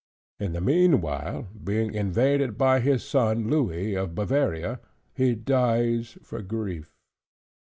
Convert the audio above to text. In the meanwhile, being invaded by his son Louis of Bavaria, he dies for grief.